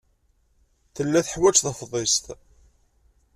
Tella teḥwaj tafḍist.